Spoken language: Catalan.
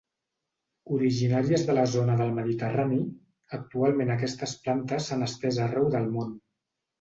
Originàries de la zona del mediterrani, actualment aquestes plantes s'han estès arreu del món.